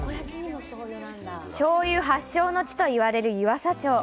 しょうゆ発祥の地と言われる湯浅町。